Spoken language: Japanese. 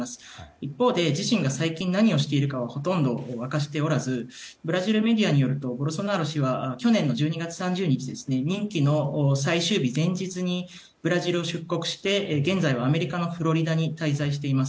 一方で自身が最近何をしているかほとんど明かしておらずブラジルメディアによるとボルソナロ氏は去年の１２月３０日任期の最終日前日にブラジルを出国して現在はアメリカのフロリダに滞在しています。